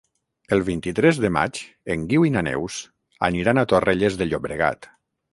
El vint-i-tres de maig en Guiu i na Neus aniran a Torrelles de Llobregat.